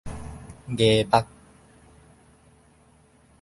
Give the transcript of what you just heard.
礙眼